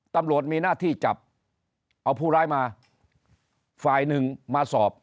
ตำรวจมีหน้าที่จับเอาผู้ร้ายมาฝ่ายหนึ่งมาสอบ